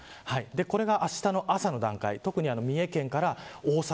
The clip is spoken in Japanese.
これが、あしたの朝の段階特に三重県から大阪